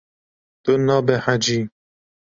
Tu nabehecî.